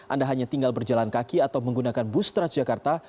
anda hanya tinggal berjalan kaki atau menggunakan bus transjakarta